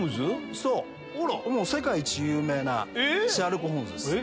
そう世界一有名なシャーロック・ホームズです。